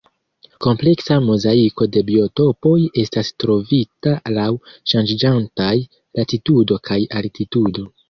Kompleksa mozaiko de biotopoj estas trovita laŭ ŝanĝiĝantaj latitudo kaj altitudo.